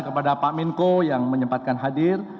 kepada pak menko yang menyempatkan hadir